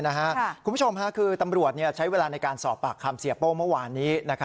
คุณผู้ชมค่ะคือตำรวจใช้เวลาในการสอบปากคำเสียโป้เมื่อวานนี้